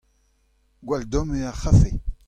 gwall domm eo ar c'hafe.